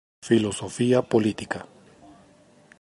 Filosofía política.